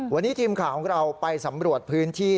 วันนี้ทีมข่าวของเราไปสำรวจพื้นที่